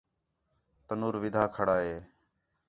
تَنُور وِدھا کھڑا ہے